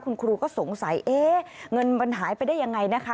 คุณครูก็สงสัยเอ๊ะเงินมันหายไปได้ยังไงนะคะ